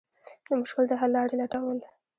د مشکل د حل لارې لټول.